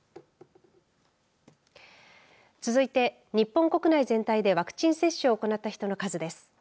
続いて日本国内全体でワクチン接種を行った人の数です。